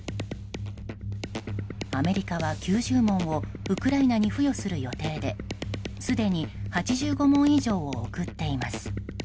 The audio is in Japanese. アメリカは９０門をウクライナに付与する予定ですでに８５門以上を送っています。